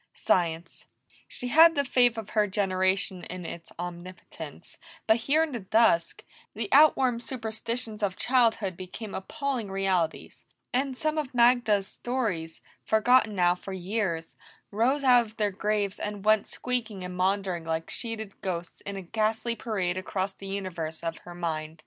Science! She had the faith of her generation in its omnipotence, but here in the dusk, the outworn superstitions of childhood became appalling realities, and some of Magda's stories, forgotten now for years, rose out of their graves and went squeaking and maundering like sheeted ghosts in a ghastly parade across the universe of her mind.